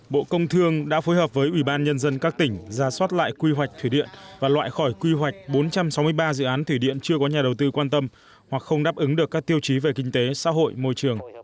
bộ công thương đã phối hợp với ủy ban nhân dân các tỉnh ra soát lại quy hoạch thủy điện và loại khỏi quy hoạch bốn trăm sáu mươi ba dự án thủy điện chưa có nhà đầu tư quan tâm hoặc không đáp ứng được các tiêu chí về kinh tế xã hội môi trường